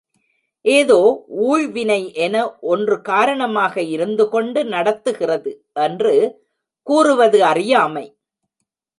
ஏதோ ஊழ்வினை என ஒன்று காரணமாக இருந்துகொண்டு நடத்துகிறது என்று கூறுவது அறியாமை.